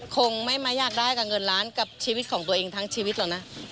คงไม่มาอยากได้กับเงินล้านกับชีวิตของตัวเองทั้งชีวิตหรอกนะ